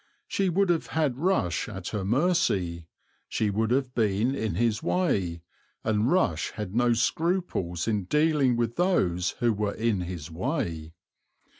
She would have had Rush at her mercy; she would have been in his way; and Rush had no scruples in dealing with those who were in his way.